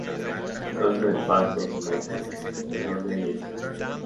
Consta de pastos y monte de roble y encinas.